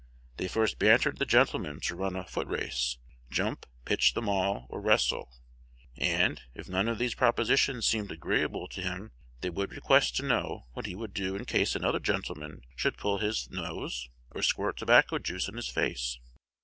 They first bantered the gentleman to run a foot race, jump, pitch the mall, or wrestle; and, if none of these propositions seemed agreeable to him, they would request to know what he would do in case another gentleman should pull his nose, or squirt tobacco juice in his face.